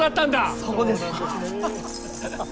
そうです。